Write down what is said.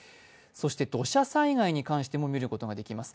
そして土砂災害に関しても見ることができます。